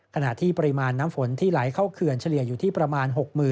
ขณะที่ปริมาณน้ำฝนที่ไหลเข้าเขื่อนเฉลี่ยอยู่ที่ประมาณ๖๐๐๐